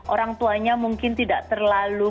orang tuanya mungkin tidak terlalu